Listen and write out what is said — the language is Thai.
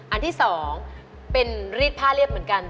อันที่๒เป็นรีดผ้าเรียบเหมือนกัน